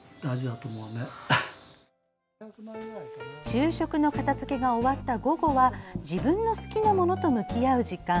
昼食の片付けが終わった午後は自分の好きなものと向き合う時間。